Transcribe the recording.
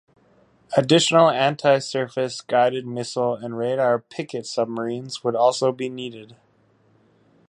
Additional anti-surface, guided missile, and radar picket submarines would also be needed.